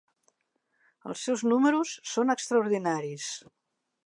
Els seus números són extraordinaris.